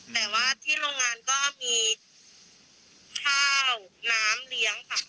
แต่ว่าที่โรงงานก็มีข้าวน้ำเลี้ยงค่ะ